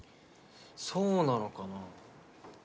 そうなのかな？